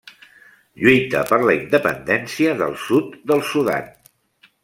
Lluita per la independència del Sud del Sudan.